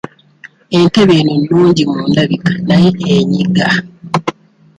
Entebe eno nnungi mu ndabika naye enyiga.